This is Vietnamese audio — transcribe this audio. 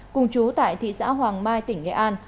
cùng chú tại thị xã hoàng mai tỉnh nghệ an